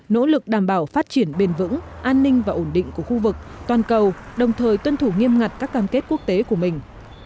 nỗ lực đảm bảo phát triển bền vững an ninh và ổn định của khu vực toàn cầu đồng thời tuân thủ nghiêm ngặt các cam kết quốc tế của mình